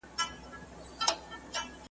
پر سړي باندي باران سو د لوټونو `